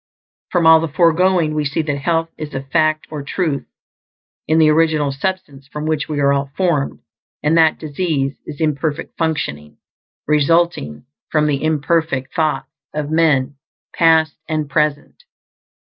From all the foregoing, we see that health is a fact or TRUTH in the original substance from which we are all formed; and that disease is imperfect functioning, resulting from the imperfect thoughts of men, past and present.